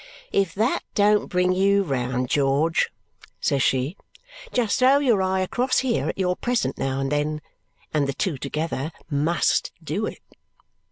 "If that don't bring you round, George," says she, "just throw your eye across here at your present now and then, and the two together MUST do it."